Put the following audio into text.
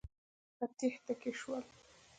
په تېښته کې شول.